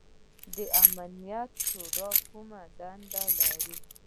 د امنیت شورا کومې دندې لري؟